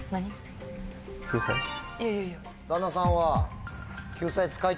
いやいやいや。